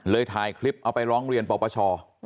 ถ่ายคลิปเอาไปร้องเรียนปปช